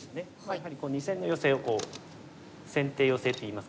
やはり２線のヨセを先手ヨセっていいますかね。